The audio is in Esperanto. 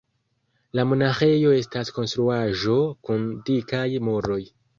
La monaĥejo estas konstruaĵo kun dikaj muroj.